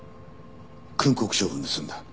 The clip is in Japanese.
訓告処分で済んだ。